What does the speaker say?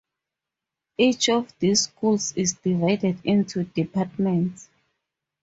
Each of these schools is divided into departments.